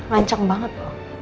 lanceng banget loh